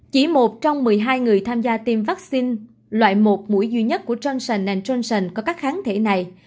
chỉ một trong một mươi hai người tham gia tiêm vaccine loại một mũi duy nhất của trang sành có các kháng thể này